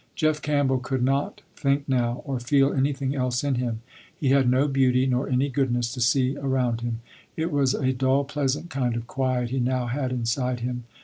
Jeff Campbell could not think now, or feel anything else in him. He had no beauty nor any goodness to see around him. It was a dull, pleasant kind of quiet he now had inside him.